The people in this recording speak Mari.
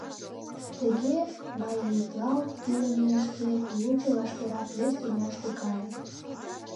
Тыге маитлалт илымешкет, лучо вашкерак вес тӱняшке кае.